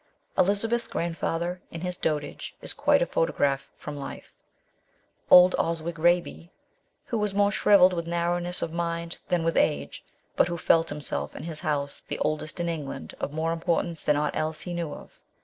Elizabeth's grandfather in his dotage is quite a photograph from life ; old Oswig Eaby, who was more shrivelled with narrowness of mind than with age, but who felt himself and his house, the oldest in England, 204 MRS. SHELLEY. of more importance than aught else he knew of.